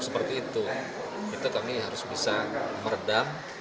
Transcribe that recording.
seperti itu itu kami harus bisa meredam